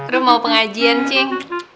rum mau pengajian cing